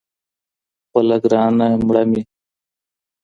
خپـله ګرانـه مړه مي